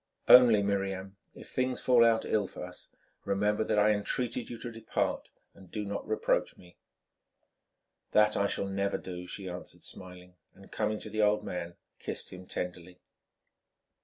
Only, Miriam, if things fall out ill for us, remember that I entreated you to depart, and do not reproach me." "That I shall never do," she answered, smiling, and coming to the old man kissed him tenderly.